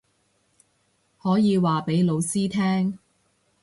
可以話畀老師聽